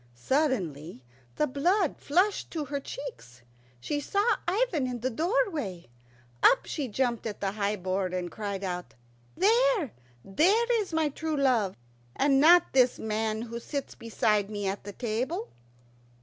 Suddenly the blood flushed into her cheeks. She saw Ivan in the doorway. Up she jumped at the high board, and cried out, "There, there is my true love, and not this man who sits beside me at the table."